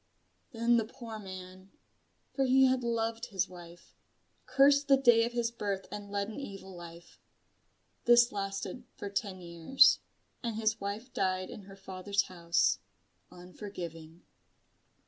Then the poor man for he had loved his wife cursed the day of his birth and led an evil life. This lasted for ten years, and his wife died in her father's house, unforgiving.